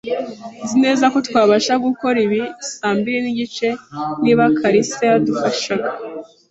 Nzi neza ko twabasha gukora ibi saa mbiri nigice niba kalisa yadufashaga.